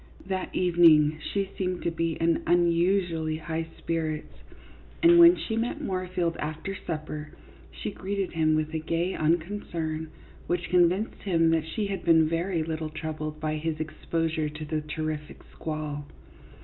That evening she seemed to be in unusually high spirits, and when she met Moorfield after supper, she greeted him with a gay unconcern which con vinced him that she had been very little troubled by his exposure to the terrific squall.